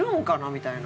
みたいな。